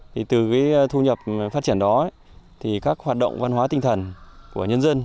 thì từ cái thu nhập phát triển đó thì các hoạt động văn hóa tinh thần của nhân dân